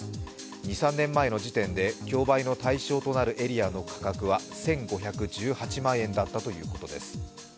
２３年前の時点で競売の対象となるエリアの価格は１５１８万円だったということです。